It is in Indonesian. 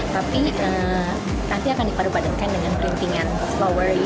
tapi nanti akan dipadukan dengan kelintingan flowery